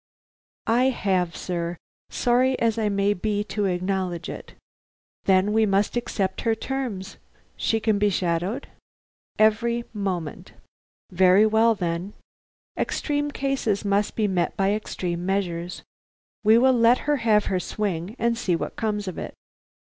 "I have, sir; sorry as I may be to acknowledge it." "Then we must accept her terms. She can be shadowed?" "Every moment." "Very well, then. Extreme cases must be met by extreme measures. We will let her have her swing, and see what comes of it.